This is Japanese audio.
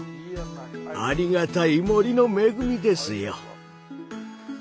ありがたい森の恵みですよ。